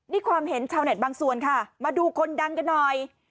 นี่ความเห็นชาวเน็ตบางส่วนค่ะมาดูคนดังกันหน่อย